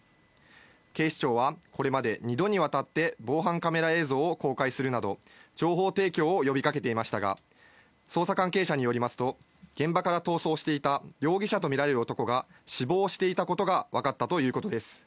警視庁はこれまで２度にわたって防犯カメラ映像を公開するなど、情報提供を呼びかけていましたが、捜査関係者によりますと、現場から逃走していた容疑者とみられる男が死亡していたことがわかったということです。